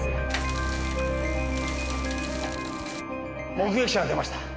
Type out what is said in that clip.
目撃者が出ました。